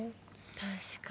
確かに。